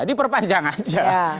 di perpanjang aja